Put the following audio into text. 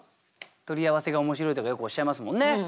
取り合わせが面白いとかよくおっしゃいますもんね。